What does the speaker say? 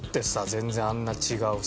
全然あんな違うさ。